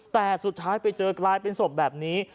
แต่สุดท้ายไปเจอกลายเป็นศพแบบนี้